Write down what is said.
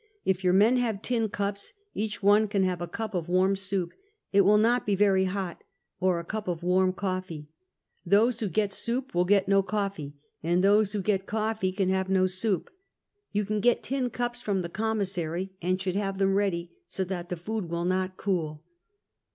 If your men have tin cups, each one can have a cup of warm soup — it will not be very hot — or a cup of warm coffee. Those who get soup will get no coffee, and those who get coffee can have no soup. You can get tin cups from the commissary, and should have them ready, so that the food will not cool."